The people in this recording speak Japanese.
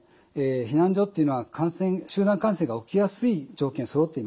避難所というのは集団感染が起きやすい条件そろっています。